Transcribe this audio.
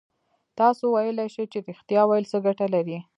تاسو ویلای شئ چې رښتيا ويل څه گټه لري؟